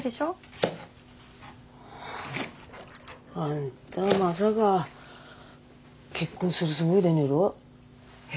はああんたまさか結婚するつもりでねえろ？え？